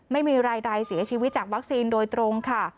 ไม่มีรายใดเสียชีวิตจากวัคซีนโดยตรงค่ะ